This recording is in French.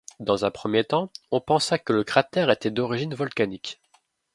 Dans un premier temps, on pensa que le cratère était d'origine volcanique.